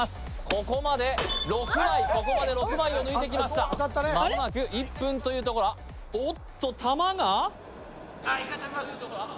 ここまで６枚ここまで６枚を抜いてきましたまもなく１分というところおっと球が？何？